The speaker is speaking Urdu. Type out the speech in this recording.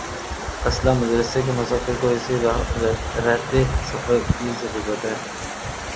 اصلاح مدرسہ کے مسافر کو اسی رخت سفر کی ضرورت ہے۔